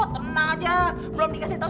tenang aja belum dikasih tahu